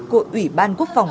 của ủy ban quốc phòng